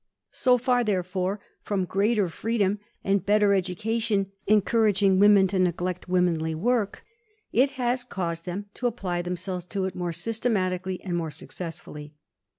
So far, therefore, from greater freedom and better education encouraging women to neglect womanly work, it has caused them to apply themselves to it more systematically and more successfully.